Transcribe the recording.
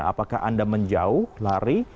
apakah anda menjauh lari